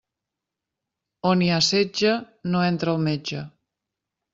On hi ha setge no entra el metge.